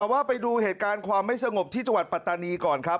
แต่ว่าไปดูเหตุการณ์ความไม่สงบที่จังหวัดปัตตานีก่อนครับ